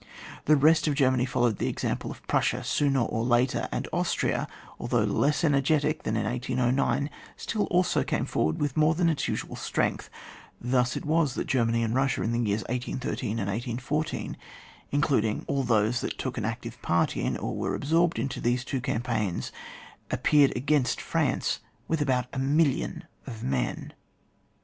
The rest of Germany followed the example of Prus sia sooner or later, and Austria, although less energetic than in 1809, still also came forward with more than its usual strength. Thus it was that Germany and Bussiain the years 1813 and 1814, in cluding all who took an active part in, or were absorbed in these two campaigns, appeared against France with about a million of men.